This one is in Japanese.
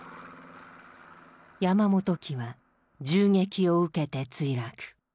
山本機は銃撃を受けて墜落。